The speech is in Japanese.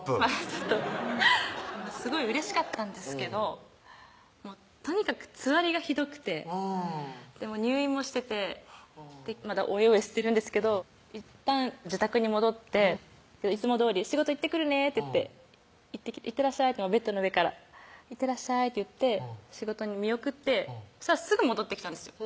ちょっとすごいうれしかったんですけどとにかくつわりがひどくて入院もしててまだオエオエしてるんですけどいったん自宅に戻っていつもどおり「仕事行ってくるね」って言って「いってらっしゃい」ベッドの上から「いってらっしゃい」って言って仕事に見送ってしたらすぐ戻ってきたんですよ